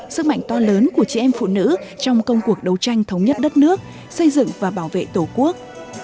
sức mạnh to lớn của chị em phụ nữ trong công cuộc đấu tranh thống nhất đất nước xây dựng và bảo vệ tổ quốc